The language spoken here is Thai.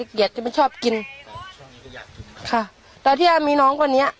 ก็จะมันชอบกินค่ะตอนที่จะมีน้องกว่านี้